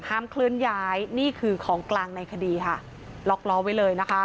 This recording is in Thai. เคลื่อนย้ายนี่คือของกลางในคดีค่ะล็อกล้อไว้เลยนะคะ